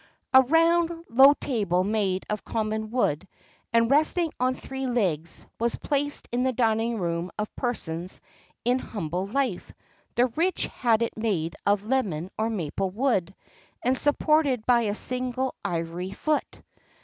[XXXII 48] A round, low table, made of common wood, and resting on three legs, was placed in the dining room of persons in humble life; the rich had it made of lemon or maple wood, and supported by a single ivory foot.